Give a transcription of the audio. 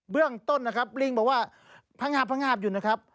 เบื้องต้นนะครับลิงบอกว่าพังหาบอยู่นะครับ